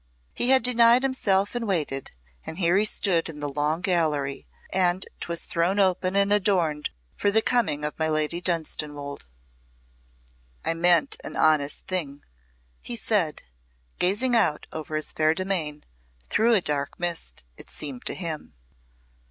He had denied himself and waited, and here he stood in the Long Gallery, and 'twas thrown open and adorned for the coming of my Lady Dunstanwolde. "I meant an honest thing," he said, gazing out over his fair domain through a dark mist, it seemed to him.